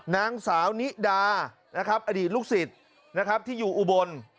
นางสาวนิดาอดีตลูกศิษย์ที่อยู่อุบล